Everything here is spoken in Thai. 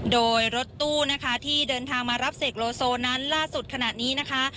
โดยรถตู้นะคะที่เดินทางมารับเสกโลโซนั้นล่าสุดขณะนี้นะคะ